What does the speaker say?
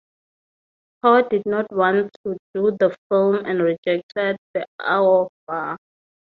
Power did not want to do the film and rejected the offer.